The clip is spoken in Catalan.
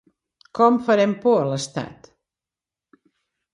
Com farem por a l’estat?